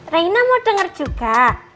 reina mau denger juga